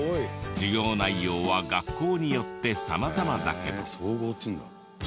授業内容は学校によって様々だけど。